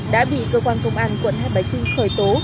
đã bị cơ quan công an quận hai bà trưng khởi tố